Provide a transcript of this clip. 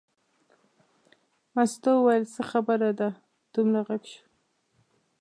مستو وویل څه خبره ده دومره غږ شو.